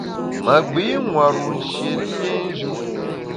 Ma gbi nwar-u nshié liénjù.